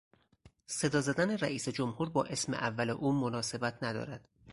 صدا زدن رییس جمهور با اسم اول او مناسبت ندارد.